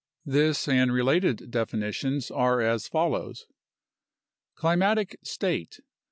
This and related definitions are as follows: Climatic state.